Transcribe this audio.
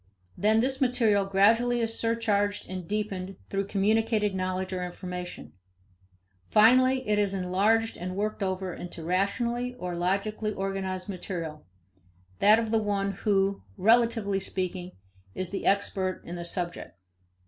Then this material gradually is surcharged and deepened through communicated knowledge or information. Finally, it is enlarged and worked over into rationally or logically organized material that of the one who, relatively speaking, is expert in the subject.